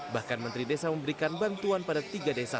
bahkan menteri desa memberikan bantuan pada tiga desa